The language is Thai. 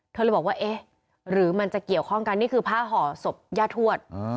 เธอเลยบอกว่าเอ๊ะหรือมันจะเกี่ยวข้องกันนี่คือผ้าห่อศพย่าทวด